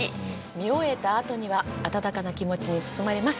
見終えたあとには温かな気持ちに包まれます。